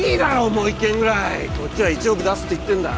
もう１軒ぐらいこっちは１億出すって言ってんだ